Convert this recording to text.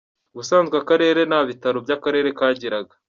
Ubusanzwe aka karere nta bitaro by’ akarere kagiraga.